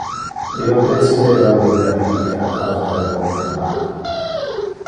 Io decideva viver hic a causa del bon climate.